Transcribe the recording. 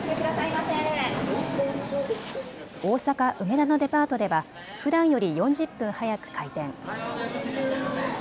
大阪梅田のデパートではふだんより４０分早く開店。